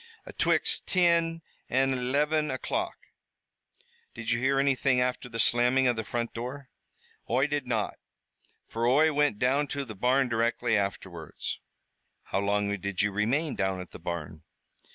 "Atwixt tin an' eliven o'clock." "Did you hear anything after the slamming of the front door?" "Oi did not, fer Oi wint down to the barn directly afterwards." "How long did you remain down at the barn?"